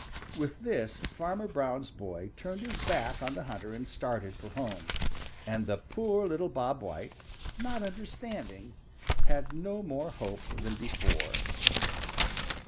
With this Fanner Brown's boy turned his back on the hunter and started for home. And the poor little Bob White, not understanding, had no more hope than before.